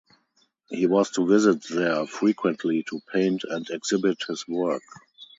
He was to visit there frequently to paint and exhibit his work.